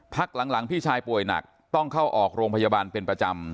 พักหลังพี่ชายป่วยหนักต้องเข้าออกโรงพยาบาลเป็นประจำ